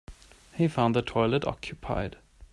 He found the toilet occupied.